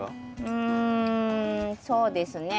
うんそうですね。